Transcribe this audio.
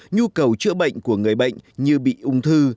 nhu cầu chữa bệnh của người bệnh như bị ung thư